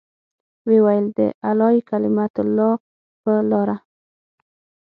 ويې ويل د اعلاى کلمة الله په لاره.